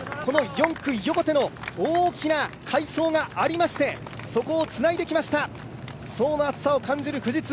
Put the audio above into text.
４区・横手の大きな快走がありまして、そこをつないできました層の厚さを感じる富士通。